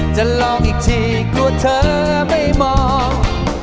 จะลองอีกทีกลัวเธอไม่มอง